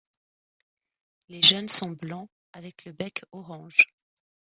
Les jeunes sont blancs, avec le bec orange.